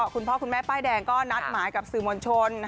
คุณพ่อคุณแม่ป้ายแดงก็นัดหมายกับสื่อมวลชน